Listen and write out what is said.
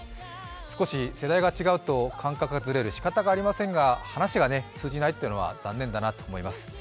少し世代が違うと感覚がずれる、しかたがありませんが話が通じないっていうのは残念だなと思います。